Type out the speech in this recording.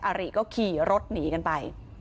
อาริก็ขี่รถหนีกันไป